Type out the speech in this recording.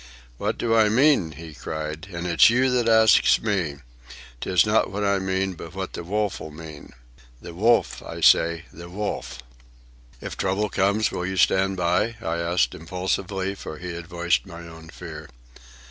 "What do I mean?" he cried. "And it's you that asks me! 'Tis not what I mean, but what the Wolf 'll mean. The Wolf, I said, the Wolf!" "If trouble comes, will you stand by?" I asked impulsively, for he had voiced my own fear.